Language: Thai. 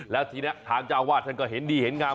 แล้วทีนี้ทางเจ้าอาวาสท่านก็เห็นดีเห็นงาม